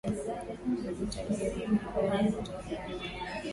Wajita pia walikuwa na utawala wao